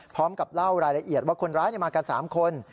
พร้อมกับเล่ารายละเอียดว่าคนร้ายมากัน๓คน